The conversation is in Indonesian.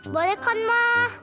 boleh kan mah